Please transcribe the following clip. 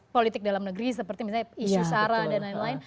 politik dalam negeri seperti misalnya isu sara dan lain lain